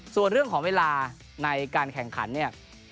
ส่วนเรื่องของเวลาในการแข่งขันเนี่ย